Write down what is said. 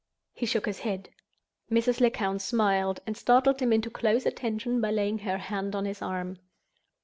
He shook his head. Mrs. Lecount smiled, and startled him into close attention by laying her hand on his arm.